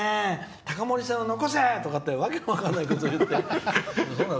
高森線を残せ！とかって訳の分からないこと言って。